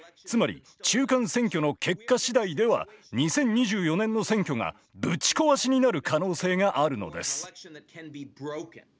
つまり中間選挙の結果次第では２０２４年の選挙がぶち壊しになる可能性があるのです。